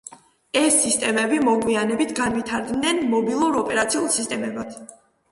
ეს სისტემები მოგვიანებით განვითარდნენ მობილურ ოპერაციულ სისტემებად.